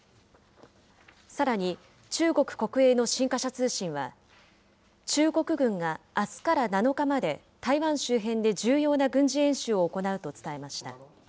さらに中国国営の新華社通信は、中国軍があすから７日まで、台湾周辺で重要な軍事演習を行うと伝えました。